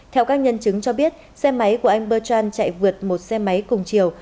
theo các nhân chứng cho biết xe máy của anh bertrand chạy vượt một xe máy cùng chiều